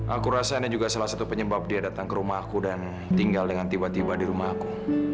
aku rasa ini juga salah satu penyebab dia datang ke rumahku dan tinggal dengan tiba tiba di rumahku